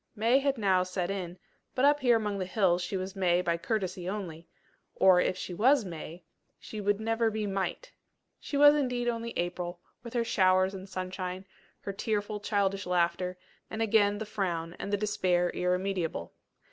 May had now set in, but up here among the hills she was May by courtesy only: or if she was May, she would never be Might. She was, indeed, only April, with her showers and sunshine, her tearful, childish laughter, and again the frown, and the despair irremediable.